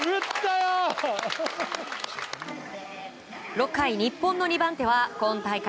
６回、日本の２番手は今大会